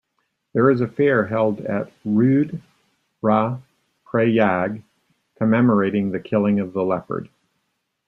There is a fair held at Rudraprayag commemorating the killing of the leopard.